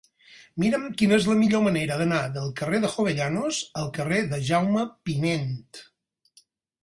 Mira'm quina és la millor manera d'anar del carrer de Jovellanos al carrer de Jaume Pinent.